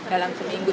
dalam seminggu ya